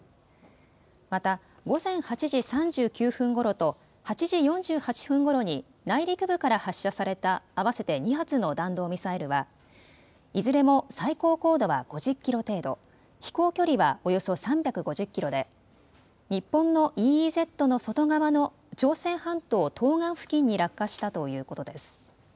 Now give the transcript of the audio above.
また午前８時３９分ごろと８時４８分ごろに内陸部から発射された合わせて２発の弾道ミサイルはいずれも最高高度は５０キロ程度、飛行距離はおよそ３５０キロで日本のＥＥＺの外側の朝鮮半島東岸付近に落下したということです。